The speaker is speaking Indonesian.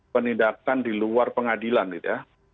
penindakan di luar pengadilan gitu ya